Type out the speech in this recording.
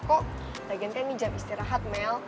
kok lagian kan ini jam istirahat mel